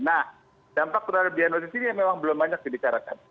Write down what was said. nah dampak terhadap diagnosis ini memang belum banyak dibicarakan